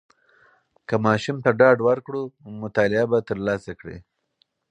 که ماشوم ته ډاډ ورکړو، نو مطالعه به تر لاسه کړي.